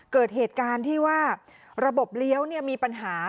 เกิดเหตุการณ์ที่ว่าระบบเลี้ยวมีปัญหา